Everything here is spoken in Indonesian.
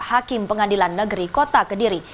hakim pengadilan negeri kota kediri